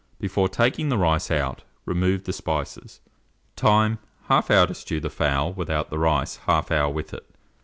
Before taking the rice out, remove the spices. Time. 1/2 hour to stew the fowl without the rice; 1/2 hour with it.